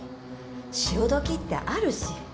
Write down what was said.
潮時ってあるし。